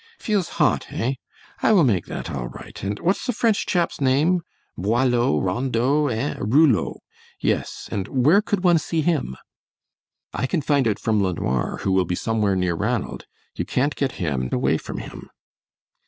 Feels hot, eh? I will make that all right, and what's the French chap's name Boileau, Rondeau, eh? Rouleau. Yes, and where could one see him?" "I can find out from LeNoir, who will be somewhere near Ranald. You can't get him away from him."